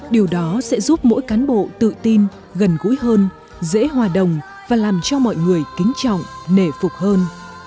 điều đó sẽ giúp mỗi cán bộ tự tin gần gũi hơn dễ hòa đồng và làm cho mọi người kính trọng nể phục hơn